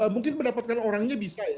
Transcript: mungkin mendapatkan orangnya bisa ya